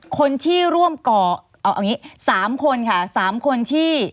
คนที่ร่วมก่อเอาอย่างนี้๓คนค่ะ๓คนที่